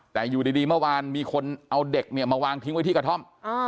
แต่อยู่ดีเมื่อวานมีคนเอาเด็กเนี่ยมาวางทิ้งไว้ที่กระท่อม